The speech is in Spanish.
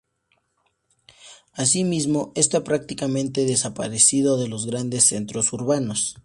Asimismo, está prácticamente desaparecido de los grandes centros urbanos.